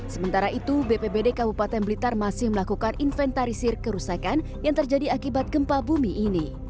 sementara itu bpbd kabupaten blitar masih melakukan inventarisir kerusakan yang terjadi akibat gempa bumi ini